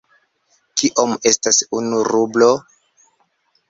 Kiom estas unu rublo?